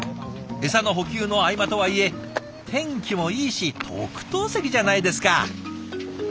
エサの補給の合間とはいえ天気もいいし特等席じゃないですか！